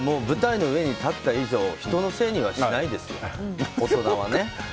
舞台の上に立った以上人のせいにはしないですよ大人は。